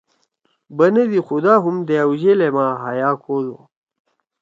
بَننَدی خدا ہم دأ اُجلے ما حیا کودو